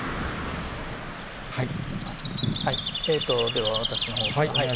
では私のほうから。